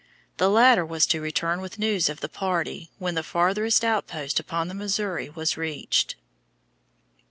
The latter was to return with news of the party when the farthest outpost upon the Missouri was reached.